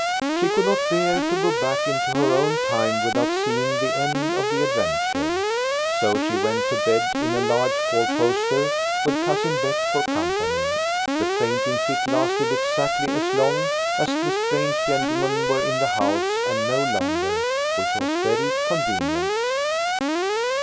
She could not bear to go back into her own time without seeing the end of the adventure. So she went to bed in a large four poster, with Cousin Bet for company. The fainting fit lasted exactly as long as the strange gentlemen were in the house and no longer, which was very convenient.